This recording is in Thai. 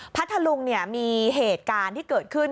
พัทธลุงมีเหตุการณ์ที่เกิดขึ้น